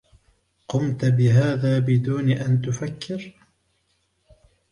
قمت بهذا بدون أن تفكر.